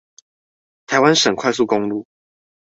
臺灣省道快速公路